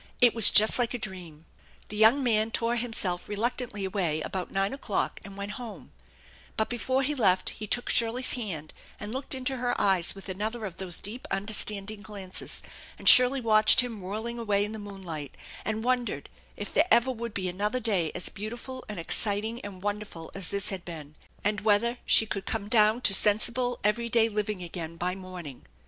It was just like a dream. The young man tore himself reluctantly away about nine o'clock and went home, but before he left he took Shirley's 'hand and looked into her eyes with another of those deep inderstanding glances, and Shirley watched him whirling away in the moonlight, and wondered if there ever would be another day as beautiful and exciting and wonderful as this had been, and whether she could come down to sensible, every day living again by morning.